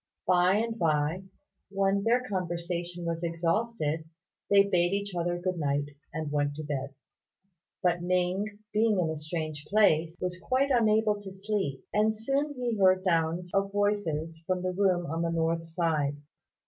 By and by, when their conversation was exhausted, they bade each other good night and went to bed; but Ning, being in a strange place, was quite unable to sleep; and soon he heard sounds of voices from the room on the north side.